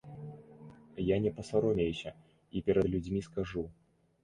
Я не пасаромеюся і перад людзьмі скажу.